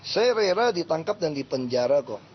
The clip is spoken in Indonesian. saya rera ditangkap dan dipenjara kok